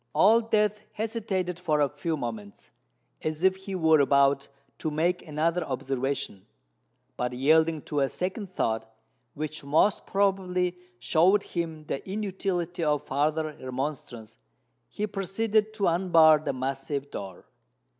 Old Death hesitated for a few moments, as if he were about to make another observation: but, yielding to a second thought, which most probably showed him the inutility of farther remonstrance, he proceeded to unbar the massive door.